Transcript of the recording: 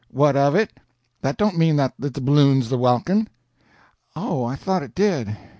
"What of it? That don't mean that the balloon's the welkin." "Oh, I thought it did.